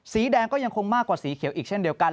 สีแดงก็ยังคงมากกว่าสีเขียวอีกเช่นเดียวกัน